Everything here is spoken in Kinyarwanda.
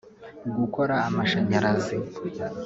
gukora amashanyarazi